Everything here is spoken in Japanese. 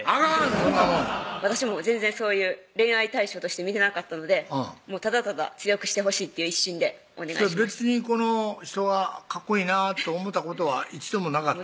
そんなもん私も全然そういう恋愛対象として見てなかったのでただただ強くしてほしいという一心でお願いしました別にこの人がかっこいいなと思たことは一度もなかった？